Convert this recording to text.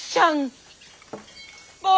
あ！